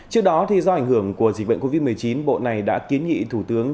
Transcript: trước đó do ảnh hưởng của dịch bệnh covid một mươi chín bộ này đã kiến nghị thủ tướng